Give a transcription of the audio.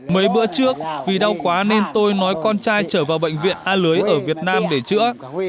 mấy bữa trước vì đau quá nên tôi nói con trai trở vào bệnh viện a lưới ở việt nam để chữa